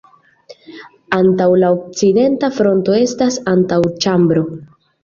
Antaŭ la okcidenta fronto estas antaŭĉambro.